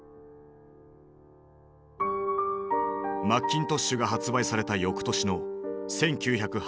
マッキントッシュが発売された翌年の１９８５年。